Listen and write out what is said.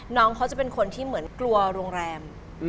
น้องเขาจะเป็นคนที่เหมือนกลัวโรงแรม